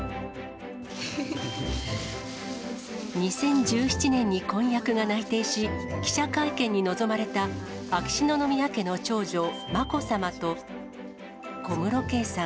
２０１７年に婚約が内定し、記者会見に臨まれた秋篠宮家の長女、まこさまと、小室圭さん。